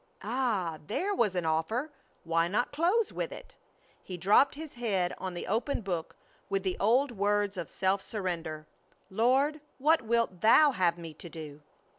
Ah! There was an offer, why not close with it? He dropped his head on the open book with the old words of self surrender: "Lord, what wilt Thou have me to do?"